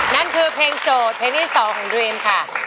นั่นคือเพลงโจทย์เพลงที่๒ของดรีมค่ะ